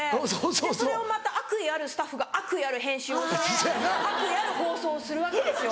でそれをまた悪意あるスタッフが悪意ある編集をして悪意ある放送をするわけですよ。